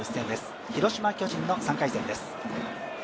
広島×巨人の３回戦です。